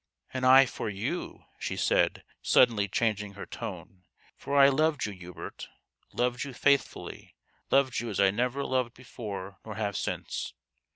" And I for you," she said, suddenly changing her tone ; u for I loved you, Hubert loved you faithfully loved you as I never loved before nor have since.